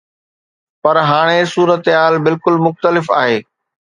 پر هاڻي صورتحال بلڪل مختلف آهي.